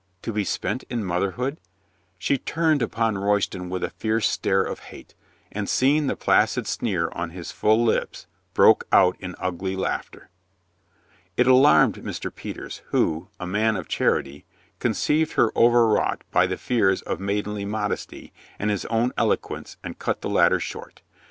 To be spent in motherhood ? She turned upon Royston with a fierce stare of hate, and seeing the placid sneer on his full lips broke out in ugly laughter. It alarmed Mr. Peters, who, a man of chanty, conceived her overwrought by the fears of maidenly modesty and his own eloquence and cut the latter short.